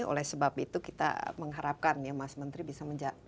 oleh sebab itu kita mengharapkan ya mas menteri bisa mencari jalan keluarnya